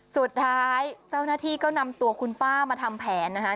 สุดท้ายเจ้าหน้าที่ก็นำตัวคุณป้ามาทำแผนนะคะ